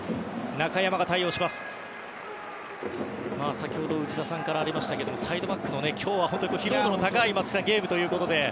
先ほど内田さんからありましたが今日はサイドバックの疲労度が高いゲームということで。